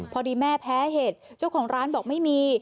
พอดีแม่แพ้เห็ดเจ้าของร้านบอกไม่มี